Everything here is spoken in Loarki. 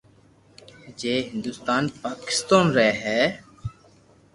جي هندستان، پاڪستان رھي ھي